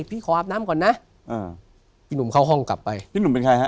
พี่ขออาบน้ำก่อนนะอ่าพี่หนุ่มเข้าห้องกลับไปพี่หนุ่มเป็นใครฮะ